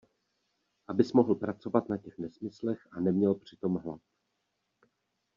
Abys mohl pracovat na těch nesmyslech a neměl přitom hlad!